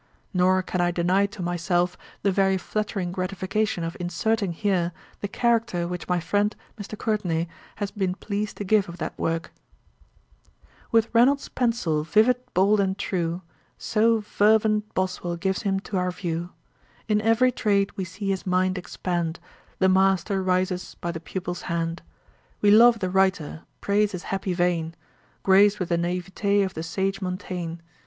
Nor can I deny to myself the very flattering gratification of inserting here the character which my friend Mr. Courtenay has been pleased to give of that work: 'With Reynolds' pencil, vivid, bold, and true, So fervent Boswell gives him to our view: In every trait we see his mind expand; The master rises by the pupil's hand; We love the writer, praise his happy vein, Grac'd with the naiveté of the sage Montaigne.